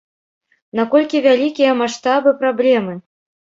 Наколькі вялікія маштабы праблемы?